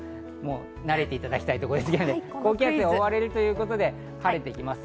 慣れていただきたいところですが、高気圧に覆われるということで晴れてきます。